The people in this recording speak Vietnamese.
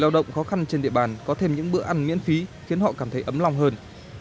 lao động khó khăn trên địa bàn có thêm những bữa ăn miễn phí khiến họ cảm thấy ấm lòng hơn